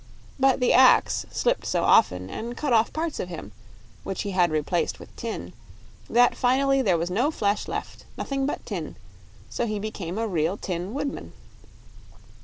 But the axe slipped so often and cut off parts of him which he had replaced with tin that finally there was no flesh left, nothing but tin; so he became a real tin woodman.